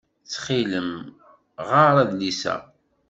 Ttxil-m ɣeṛ adlis-a.